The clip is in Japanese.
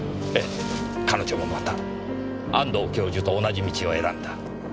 彼女もまた安藤教授と同じ道を選んだ。